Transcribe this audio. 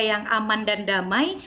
yang aman dan damai